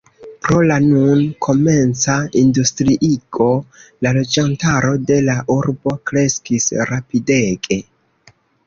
Pro la nun komenca industriigo la loĝantaro de la urbo kreskis rapidege.